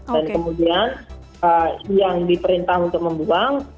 dan kemudian dia diperintah untuk membuang